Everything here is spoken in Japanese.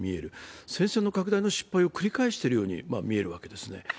戦線の拡大の失敗を繰り返しているように見えるわけですね。